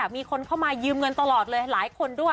มีคนเข้ามายืมเงินตลอดเลยหลายคนด้วย